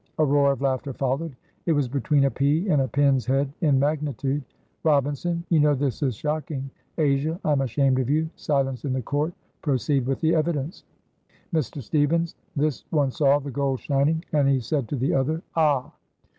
A roar of laughter followed it was between a pea and a pin's head in magnitude. Robinson. "You know this is shocking. Asia, I am ashamed of you. Silence in the court! Proceed with the evidence." Mr. Stevens. "This one saw the gold shining, and he said to the other, 'Ah!'"